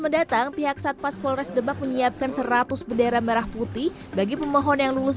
mendatang pihak satpas polres debak menyiapkan seratus bendera merah putih bagi pemohon yang lulus